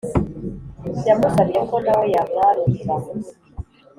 yamusabye ko nawe yamwarurira